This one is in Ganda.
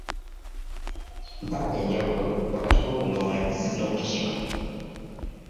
Mpa enjawulo wakati w’okuŋoola n’okukimba..